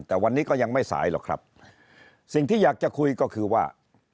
แต่วันนี้ก็ยังไม่สายหรอกครับสิ่งที่อยากจะคุยก็คือว่า